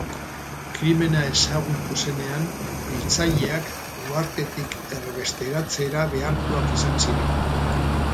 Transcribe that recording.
Krimena ezagutu zenean, hiltzaileak, uhartetik erbesteratzera behartuak izan ziren.